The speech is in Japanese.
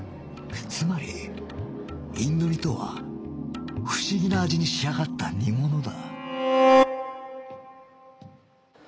つまりインド煮とは不思議な味に仕上がった煮物だ